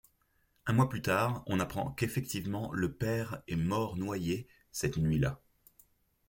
Un mois plus tard, on apprend qu’effectivement le père est mort noyé cette nuit-là.